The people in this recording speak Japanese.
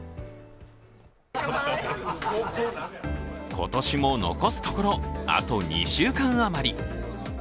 今年も残すところあと２週間あまり。